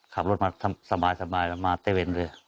ขับรถมาสบายมาเต้เวนเรือ